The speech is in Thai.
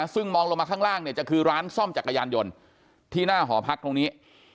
ซึ่งมองลงมาข้างล่างเนี่ยจะคือร้านซ่อมจักรยานยนต์ที่หน้าหอพักตรงนี้